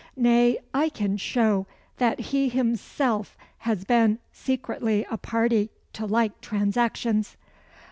Nay, I can show that he himself has been secretly a party to like transactions."